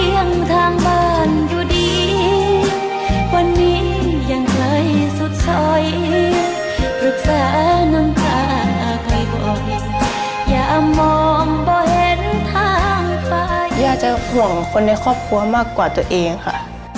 ยากจะห่วงคนในครอบครัวมากกว่าตัวเองค่ะ